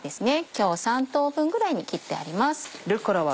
今日は３等分ぐらいに切ってあります。